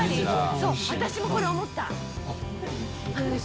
そう私もこれ思った。